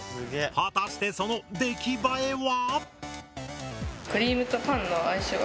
果たしてその出来栄えは？